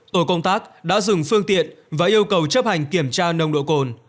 tổ công tác đã dừng phương tiện và yêu cầu chấp hành kiểm tra nồng độ cồn